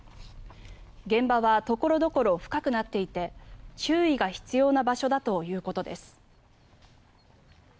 現場は所々深くなっていて注意が必要な場所だということです。